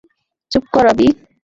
চুপ কর, আভি।